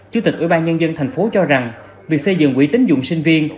chủ tịch ủy ban nhân dân tp cho rằng việc xây dựng quỹ tính dụng sinh viên